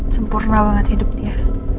sempurna banget hidup dia